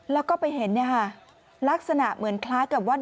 แล้วก็ไปเห็นลักษณะเหมือนคล้ายกับว่า